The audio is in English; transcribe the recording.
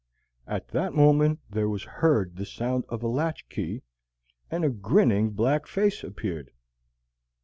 At that moment there was heard the sound of a latch key, and a grinning black face appeared.